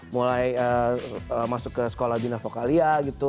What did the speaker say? mulai masuk ke sekolah bina vokalia gitu